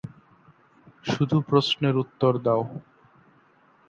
শুধু প্রশ্নের উওর দাও।